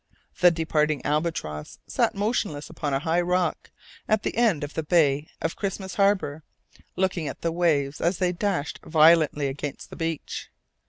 The departing albatross sat motionless upon a high rock, at the end of the bay of Christmas Harbour, looking at the waves as they dashed violently against the beach.